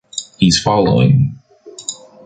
He’s following.